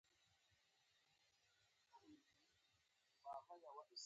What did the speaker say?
_ها ورته وګوره! کراره پرته ده.